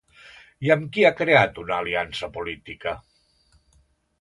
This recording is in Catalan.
I amb qui ha creat una aliança política?